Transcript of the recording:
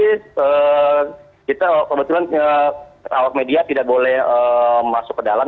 untuk pasien sendiri kita kebetulan awal media tidak boleh masuk ke dalam